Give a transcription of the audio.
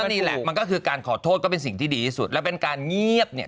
นี่แหละมันก็คือการขอโทษก็เป็นสิ่งที่ดีที่สุดแล้วเป็นการเงียบเนี่ย